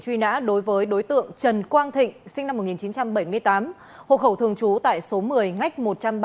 truy nã đối với đối tượng trần quang thịnh sinh năm một nghìn chín trăm bảy mươi tám hộ khẩu thường trú tại số một mươi ngách một trăm ba mươi